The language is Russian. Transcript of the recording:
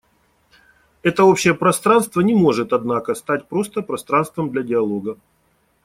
Это общее пространство не может, однако, стать просто пространством для диалога.